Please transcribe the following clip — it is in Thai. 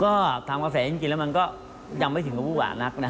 ก็ทำกาแฟจริงแล้วมันก็ยังไม่ถึงกระบูกหวานัก